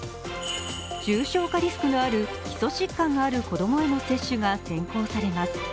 重症化リスクのある基礎疾患がある子供への接種が先行されます。